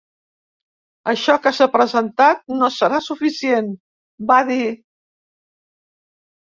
Això que s’ha presentat no serà suficient, va dir.